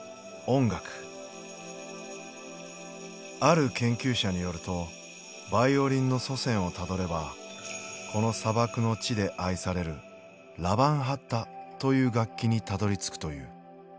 ある研究者によるとバイオリンの祖先をたどればこの砂漠の地で愛されるラバンハッタという楽器にたどりつくという。